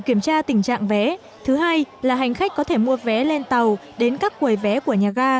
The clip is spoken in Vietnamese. kiểm tra tình trạng vé thứ hai là hành khách có thể mua vé lên tàu đến các quầy vé của nhà ga